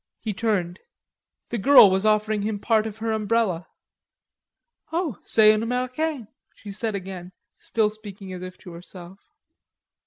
He turned. The girl was offering him part of her umbrella. "O c'est un Americain!" she said again, still speaking as if to herself.